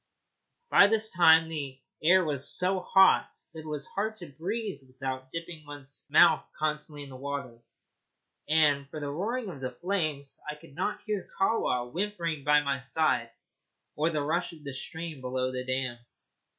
By this time the air was so hot that it was hard to breathe without dipping one's mouth constantly in the water, and for the roaring of the flames I could not hear Kahwa whimpering at my side, or the rush of the stream below the dam.